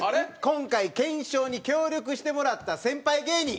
今回検証に協力してもらった先輩芸人